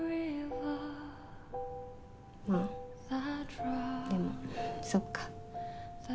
まぁでもそっか。